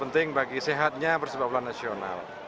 penting bagi sehatnya persebaya nasional